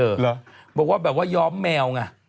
เหรอบอกว่าแบบว่าย้อมแมวไง